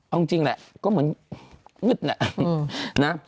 เอาจริงแหละก็เหมือนมืดแหละนะ